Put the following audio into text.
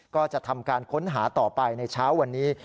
ก็จะทำการค้นหาต่อไปในเช้าวันนี้